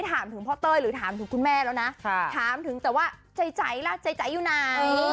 แต่ว่าใจใจละใจใจอยู่ไหน